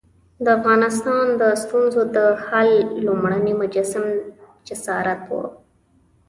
د افغانستان د ستونزو د حل لومړنی مجسم جسارت وو.